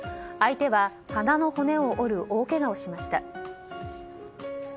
相手は鼻の骨を折る大けがをしました。